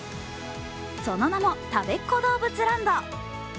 その名もたべっ子どうぶつＬＡＮＤ。